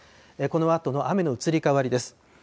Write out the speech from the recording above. このあとの雨の移り変わりです。